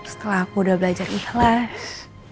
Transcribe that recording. setelah aku udah belajar ikhlas